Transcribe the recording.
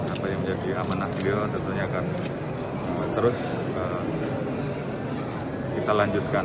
apa yang menjadi amanah beliau tentunya akan terus kita lanjutkan